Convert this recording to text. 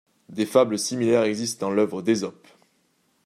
Des fables similaires existent dans l'œuvre d'Ésope.